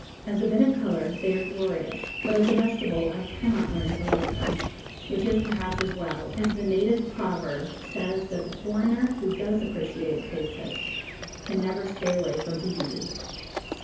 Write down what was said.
As a bit of colour they are glorious, but as a vegetable I cannot learn to like them, which is perhaps as well, as the native proverb says that the foreigner who does appreciate faces can never stay away from Tahiti.